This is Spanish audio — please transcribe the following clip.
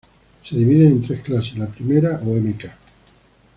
Se dividen en tres clases: la primera o Mk.